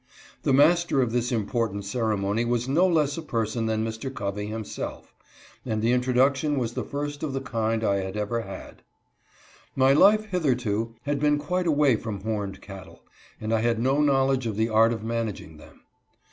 The master of this important ceremony was no less a person than Mr. Covey himself, and the introduc tion was the first of the kind I had ever had. My life, hitherto, had been quite away from horned cattle, and I had no knowledge of the art of managing them.